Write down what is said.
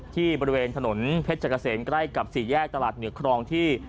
ที่บริเวณถนนเพชรเกษมใกล้กับสี่แยกตลาดเหนือครองที่